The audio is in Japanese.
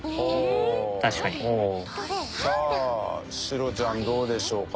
さあシロちゃんどうでしょうか？